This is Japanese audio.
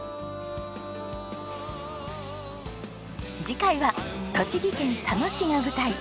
次回は栃木県佐野市が舞台。